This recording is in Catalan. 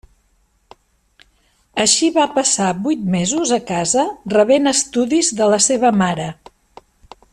Així va passar vuit mesos a casa rebent estudis de la seva mare.